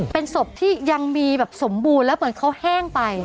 เป็นศพที่ยังมีแบบสมบูรณ์แล้วเหมือนเขาแห้งไป